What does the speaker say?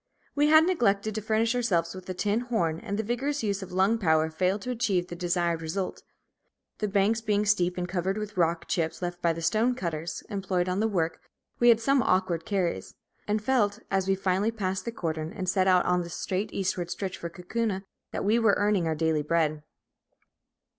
We had neglected to furnish ourselves with a tin horn, and the vigorous use of lung power failed to achieve the desired result. The banks being steep and covered with rock chips left by the stone cutters employed on the work, we had some awkward carries, and felt, as we finally passed the cordon and set out on the straight eastward stretch for Kaukauna, that we were earning our daily bread.